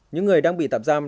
những người đang bị tạm giam